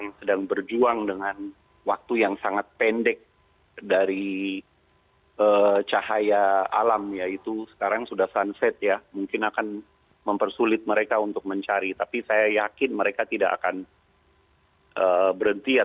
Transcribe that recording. jadi kembali lagi ke yang tadi harapan kita adalah saat ini kita lihat fakta saja jangan berspekulasi